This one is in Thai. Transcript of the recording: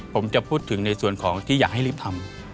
ผมจะพูดถึงในส่วนของที่อยากให้รีบทำ